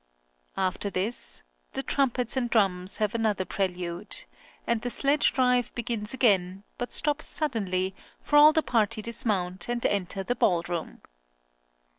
After this: The trumpets and drums have another prelude, and The Sledge Drive begins again, but stops suddenly, for all the party dismount, and enter the ball room.